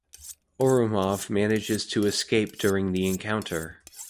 Ourumov manages to escape during the encounter.